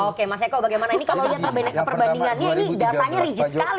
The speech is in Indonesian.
oke mas eko bagaimana ini kalau nyata benekan perbandingannya ini datanya rigid sekali nih pak